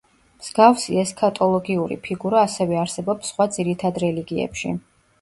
მსგავსი ესქატოლოგიური ფიგურა ასევე არსებობს სხვა ძირითად რელიგიებში.